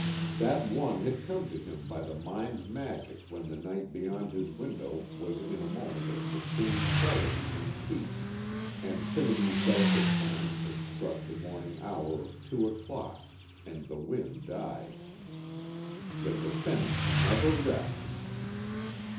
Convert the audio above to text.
That one had come to him by the mind's magic when the night beyond his window was in a moment of supreme clarity and peace, and Trinity's delicate chimes had struck the morning hour of two o'clock, and the wind died: _The defense never rests.